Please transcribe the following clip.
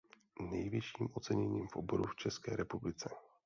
Nejvyšším oceněním v oboru v České republice.